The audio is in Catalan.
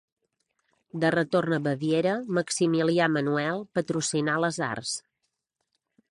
De retorn a Baviera, Maximilià Manuel patrocinà les arts.